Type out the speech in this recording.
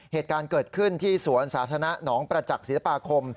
เหตุการณ์เกิดขึ้นที่สวนสาธารณะหนองประจักษ์ศิลปาคม